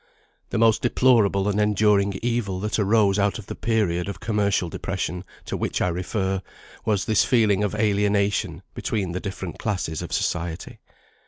The most deplorable and enduring evil that arose out of the period of commercial depression to which I refer, was this feeling of alienation between the different classes of society.